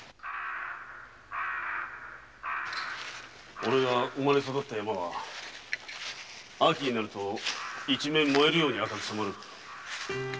おれが生まれ育った山は秋になると一面燃えるように赤く染まる。